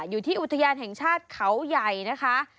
อยู่ที่อุทยานแห่งชาติเขาใหญ่นะคะ